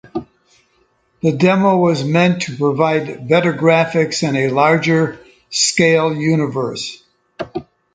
The demo was meant to provide better graphics and a larger scale universe.